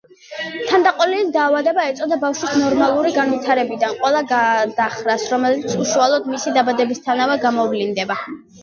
თანდაყოლილი დაავადება ეწოდება ბავშვის ნორმალური განვითარებიდან ყველა გადახრას, რომელიც უშუალოდ მისი დაბადებისთანავე გამოვლინდება.